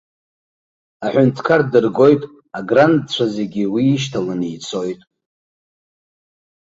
Аҳәынҭқар дыргоит, аграндцәа зегьы уи ишьаҭланы ицоит.